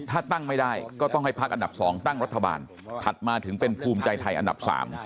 ถ้าตั้งไม่ได้ก็ต้องให้พักอันดับ๒ตั้งรัฐบาลถัดมาถึงเป็นภูมิใจไทยอันดับ๓